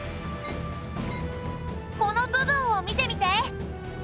この部分を見てみて。